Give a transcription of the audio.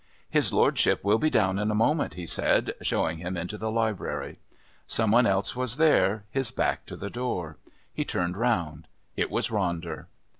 "His lordship will be down in a moment," he said, showing him into the library. Some one else was there, his back to the door. He turned round; it was Ronder.